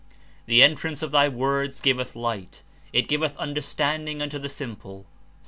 '^The entrance of thy words giveth light; it giveth understanding unto the simple.'' (Ps.